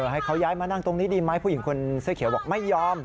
ให้เขาย้ายมานั่งตรงนี้ดีไหมผู้หญิงคนเสื้อเขียวบอกไม่ยอม